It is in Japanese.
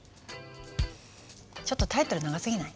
ちょっとタイトル長すぎない？